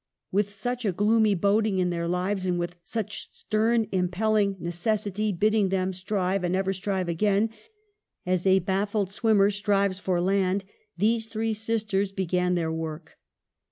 With such gloomy boding in their hearts, with such stern impelling necessity bidding them strive and ever strive again, as a baffled swimmer strives for land, these three sisters began their work.